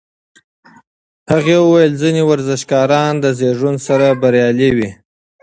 هغې وویل ځینې ورزشکاران د زېږون سره بریالي وي.